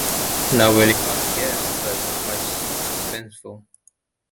Not very hard to guess, but quite suspenseful.